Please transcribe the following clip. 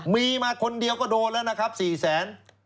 มีมาคนเดียวก็โดนแล้วนะครับ๔แสน